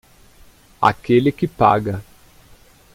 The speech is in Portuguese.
Aquele que paga.